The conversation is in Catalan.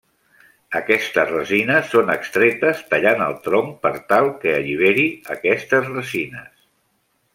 Aquestes resines són extretes tallant el tronc per tal que alliberi aquestes resines.